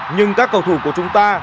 nhưng các cầu thủ của chúng ta